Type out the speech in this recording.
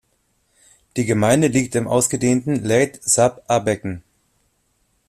Die Gemeinde liegt im ausgedehnten Leyte-Sab-a-Becken.